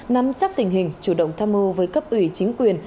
nắm chắc tình hình chủ động tham mưu với cấp ủy chính quyền